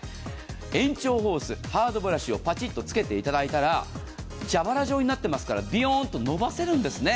延長ホース、ハードブラシをつけていただいたら、蛇腹状になっていますからびよーんと伸ばせるんですね。